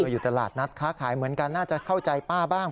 อยู่ตลาดนัดค้าขายเหมือนกันน่าจะเข้าใจป้าบ้าง